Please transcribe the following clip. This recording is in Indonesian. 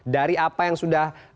dari apa yang sudah